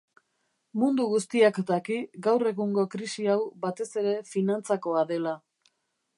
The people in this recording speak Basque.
Mundu guztiak daki gaur egungo krisi hau batez ere finantzakoa dela.